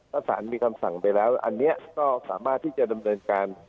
ถ้าสารมีคำสั่งไปแล้วอันนี้ก็สามารถที่จะดำเนินการ